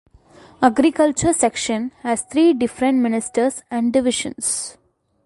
Agriculture section has three different ministers and divisions.